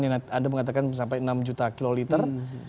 yang anda mengatakan sampai enam juta kiloliter